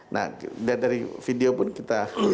nah dari video pun kita